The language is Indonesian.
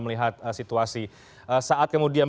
melihat situasi saat kemudian